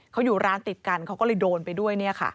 เขาอยู่ร้านติดกันเขาก็เลยโดนไปด้วย